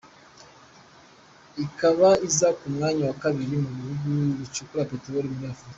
Ikaba iza ku mwanya wa kabiri mu bihugu bicukura peteroli muri Afurika.